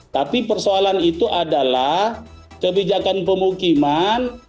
tapi persoalan itu adalah kebijakan pemukiman